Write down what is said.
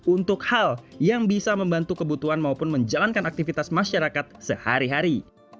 untuk hal yang bisa membantu kebutuhan maupun menjalankan aktivitas masyarakat sehari hari